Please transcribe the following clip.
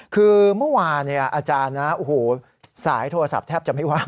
คือเมื่อวานเนี่ยอาจารย์นะสายโทรศัพท์แทบจะไม่ว่าง